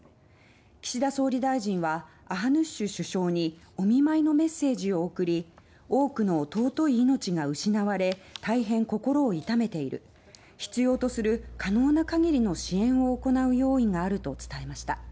岸田総理大臣はアハヌッシュ首相にお見舞いのメッセージを送り多くの尊い命が失われ大変心を痛めている必要とする可能な限りの支援を行う用意があると伝えました。